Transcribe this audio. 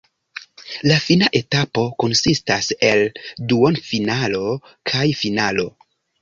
Li fina etapo konsistas el duonfinalo kaj finalo.